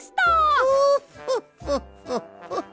フォッフォッフォッフォッフォッ。